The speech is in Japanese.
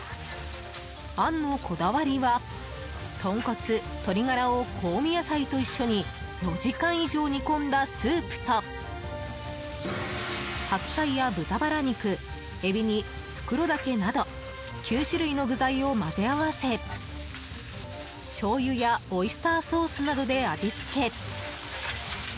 あんのこだわりは豚骨、鶏ガラを香味野菜と一緒に４時間以上煮込んだスープと白菜や豚バラ肉エビにフクロダケなど９種類の具材を混ぜ合わせしょうゆやオイスターソースなどで味付け。